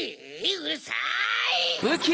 うるさい！